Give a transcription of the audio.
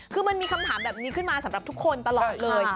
คือมันมีคำถามแบบนี้ขึ้นมาสำหรับทุกคนตลอดเลย